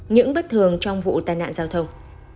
những bất thường trong vụ tai nạn giao thông